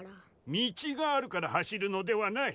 道があるから走るのではない。